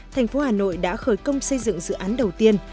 thành phố hà nội đã khởi công xây dựng dự án đầu tiên